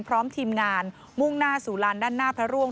พร้อมทีมงานมุ่งหน้าสู่ลานด้านหน้าพระร่วง